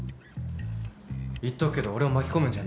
言っとくけど俺を巻き込むんじゃねえぞ。